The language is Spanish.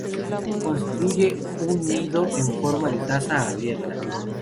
Construye un nido en forma de taza abierta.